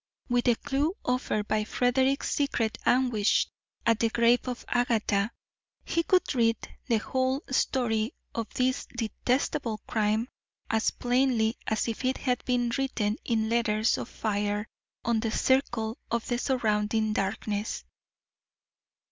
With the clew offered by Frederick's secret anguish at the grave of Agatha, he could read the whole story of this detestable crime as plainly as if it had been written in letters of fire on the circle of the surrounding darkness.